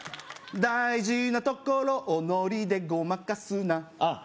大事なところをノリでごまかすなあっ